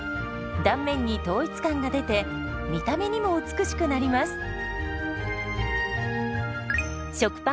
断面に統一感が出て見た目にも美しくなります。